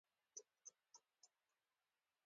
توبه کاکړۍ یوه غرنۍ سیمه ده